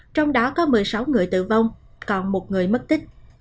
trong đó có một mươi sáu người tử vong còn một người mất tích